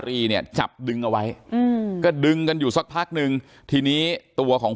รีเนี่ยจับดึงเอาไว้อืมก็ดึงกันอยู่สักพักนึงทีนี้ตัวของ